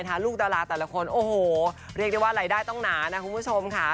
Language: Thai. ดรตลาดตลาดตาละคนเรียกได้ว่าไหลได้ต้องหนา